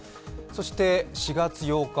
そして４月８日